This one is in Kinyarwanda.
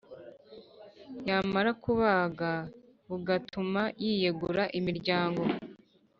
Yamara kubaga bugatuma yiyegura imiryango